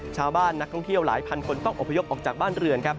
นักท่องเที่ยวหลายพันคนต้องอบพยพออกจากบ้านเรือนครับ